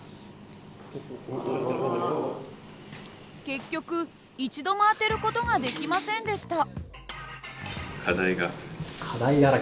結局一度も当てる事ができませんでした。